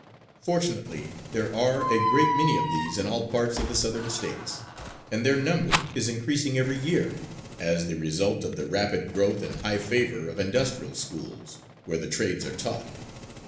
Fortunately, there are a great many of these in all parts of the Southern States, and their number is increasing every year, as the result of the rapid growth and high favor of industrial schools, where the trades are taught.